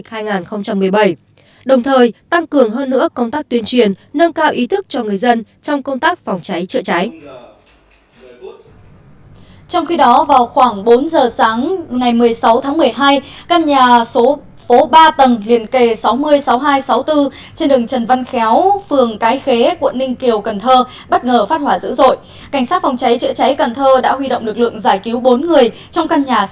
cảnh sát phòng cháy trợ cháy cần thơ đã huy động lực lượng giải cứu bốn người trong căn nhà xảy ra hỏa hoạn